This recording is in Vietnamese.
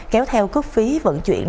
kéo theo cước phí vận chuyển